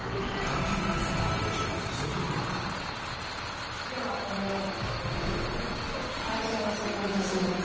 劇的キレイ！ではこれより大将戦を始めます。